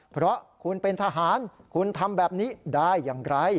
เพราะคุณเป็นทหารคุณทำแบบนี้ได้อย่างไร